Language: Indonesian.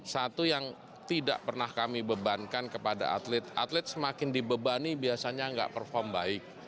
satu yang tidak pernah kami bebankan kepada atlet atlet semakin dibebani biasanya nggak perform baik